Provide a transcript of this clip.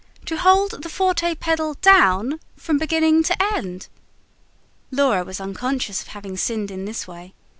To hold, the forte pedal down, from beginning to end!" Laura was unconscious of having sinned in this way.